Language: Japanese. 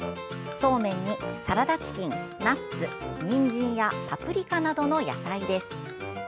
そうめんにサラダチキン、ナッツにんじんやパプリカなどの野菜。